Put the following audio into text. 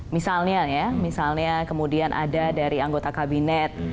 misalnya ya misalnya kemudian ada dari anggota kabinet